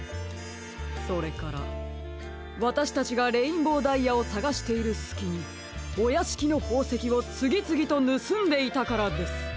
それからわたしたちがレインボーダイヤをさがしているすきにおやしきのほうせきをつぎつぎとぬすんでいたからです！